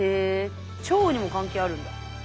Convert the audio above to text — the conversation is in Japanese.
腸にも関係あるんだ。